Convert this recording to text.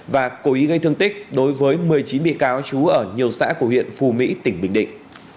và cố ý gây thương tích đối với một mươi chín bị cáo trú ở nhiều xã của huyện phù mỹ tỉnh bình định